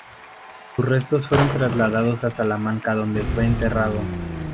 Sus restos fueron trasladados a Salamanca donde fue enterrado.